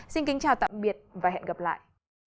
xin kính chào tạm biệt và hẹn gặp lại